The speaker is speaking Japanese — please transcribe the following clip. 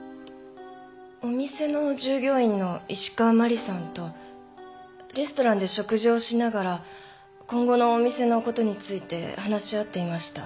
お店の従業員の石川マリさんとレストランで食事をしながら今後のお店のことについて話し合っていました。